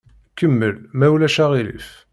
Kemmel, ma ulac aɣilif.